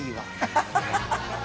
ハハハハハ。